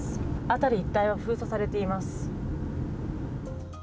辺り一帯は封鎖されています。